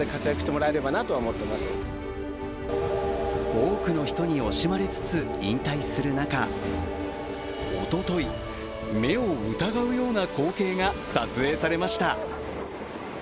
多くの人に惜しまれつつ引退する中おととい、目を疑うような光景が撮影されました。